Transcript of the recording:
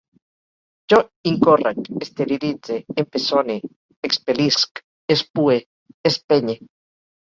Jo incórrec, esterilitze, empeçone, expel·lisc, espue, espenye